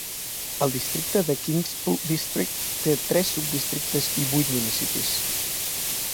El districte de Qingpu District té tres subdistrictes i vuit municipis.